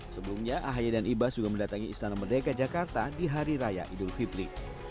sebelumnya ahi dan ibas juga mendatangi istana merdeka jakarta di hari raya idul fitri